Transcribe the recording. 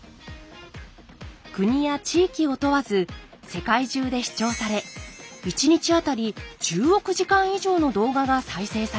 国や地域を問わず世界中で視聴され１日あたり１０億時間以上の動画が再生されています。